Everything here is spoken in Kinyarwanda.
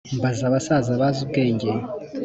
mbaza abasaza bazi ubwenge